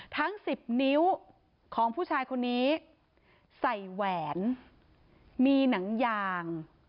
ทั้ง๑๐นิ้วของผู้ชายคนนี้ใส่แหวนมีหนังยาง